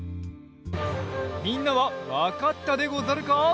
みんなはわかったでござるか？